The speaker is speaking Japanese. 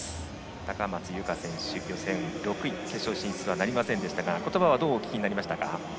高松佑圭選手、予選６位で決勝進出はなりませんでしたが言葉はどうお聞きになりましたか。